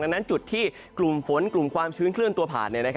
ดังนั้นจุดที่กลุ่มฝนกลุ่มความชื้นเคลื่อนตัวผ่าน